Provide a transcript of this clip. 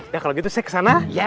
ya kalau gitu saya kesana